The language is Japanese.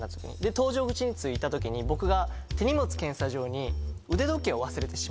搭乗口に着いた時に僕が手荷物検査場に。